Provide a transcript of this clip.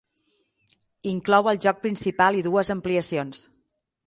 Inclou el joc principal i dues ampliacions.